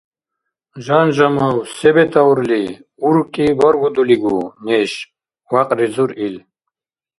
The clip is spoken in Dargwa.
- Жан Жамав, се бетаурли? УркӀи баргудулигу? Неш? - вякьризур ил.